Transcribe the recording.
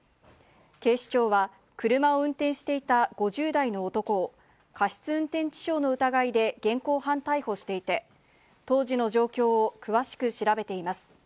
警視庁は、車を運転していた５０代の男を、過失運転致傷の疑いで現行犯逮捕していて、当時の状況を詳しく調べています。